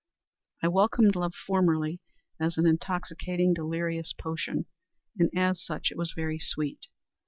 I welcomed love formerly as an intoxicating, delirious potion, and as such it was very sweet.